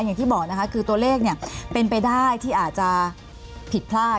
อย่างที่บอกนะคะคือตัวเลขเป็นไปได้ที่อาจจะผิดพลาด